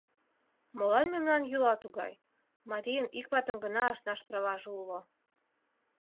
Молан мемнан йӱла тугай: марийын ик ватым гына ашнаш праваже уло?